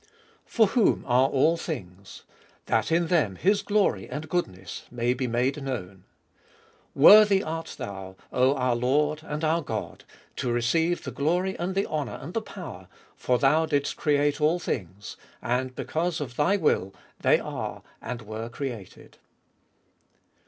For whom are all things, that in them His glory and goodness may be made known. " Worthy art thou, O our Lord and our God, to receive the glory and the honour and the power, for thou didst create all things ; and because of Thy will they are and were created."